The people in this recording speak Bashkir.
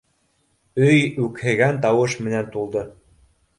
Өй үкһегән тауыш менән тулды.